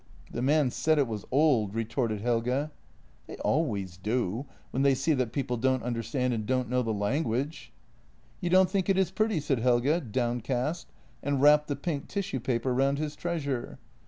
" The man said it was old," retorted Helge. " They always do, when they see that people don't under stand, and don't know the language." "You don't think it is pretty?" said Helge, downcast, and wrapped the pink tissue paper round his treasure.